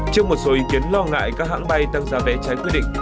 trước một số ý kiến lo ngại các hãng bay tăng giá vé trái quy định